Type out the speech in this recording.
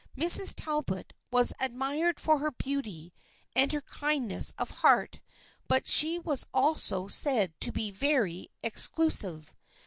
Mrs. Tal bot was admired for her beauty and her kindness of heart, but she was also said to be " very exclu sive."